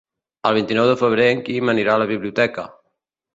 El vint-i-nou de febrer en Quim anirà a la biblioteca.